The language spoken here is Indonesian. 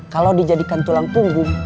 kalau dijadikan tulang punggung